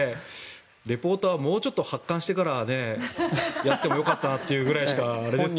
リポーターはもうちょっと発汗してからやってもよかったんじゃというぐらいしかあれですけど。